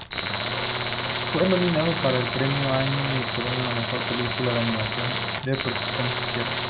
Fue nominado para el Premio Annie por Mejor Película de Animación de Producción Especial.